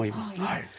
はい。